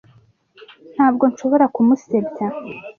Ntabwo nshobora kumusebya.